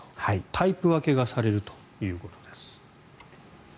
タイプ分けがされるということです。